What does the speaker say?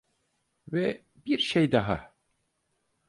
Ve bir şey daha…